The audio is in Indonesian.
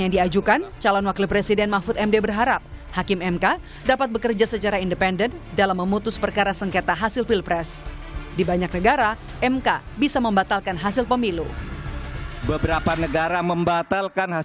di seluruh tempat yang diperlukan